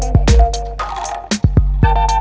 kau mau kemana